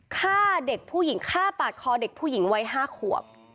ฆ่าเด็กผู้หญิงฆ่าปาดคอเด็กผู้หญิงวัย๕ขวบ